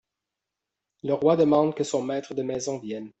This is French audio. le roi demande que son maître de maison vienne.